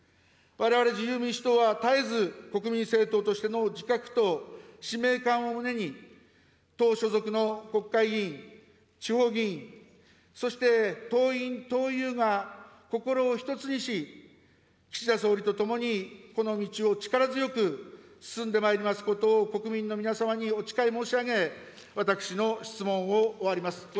われわれ自由民主党は、絶えず国民政党としての自覚と使命感を胸に、党所属の国会議員、地方議員、そして党員・党友が心を一つにし、岸田総理と共にこの道を力強く進んでまいりますことを国民の皆様にお誓い申し上げ、私の質問を終わります。